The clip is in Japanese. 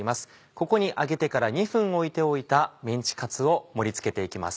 ここに揚げてから２分おいておいたメンチカツを盛り付けていきます。